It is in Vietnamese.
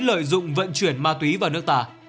lợi dụng vận chuyển ma túy vào nước ta